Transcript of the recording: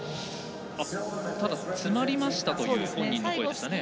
ただ、詰まりましたという本人の声でしたね。